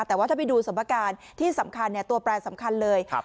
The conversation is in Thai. แต่ว่าถ้าไปดูสมบัติการณ์ที่สำคัญเนี่ยตัวแปลงสำคัญเลย